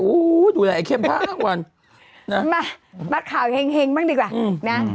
อู้ดูแลไอ้เข้มทั้งวันนะมามัดข่าวเฮ็งเฮ็งบ้างดีกว่าอืมนะ